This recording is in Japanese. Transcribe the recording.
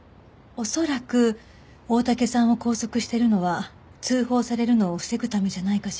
恐らく大竹さんを拘束してるのは通報されるのを防ぐためじゃないかしら。